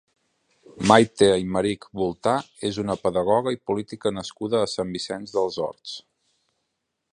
Maite Aymerich Boltà és una pedagoga i política nascuda a Sant Vicenç dels Horts.